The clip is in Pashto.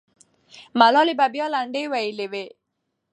ملالۍ به بیا لنډۍ ویلي وي.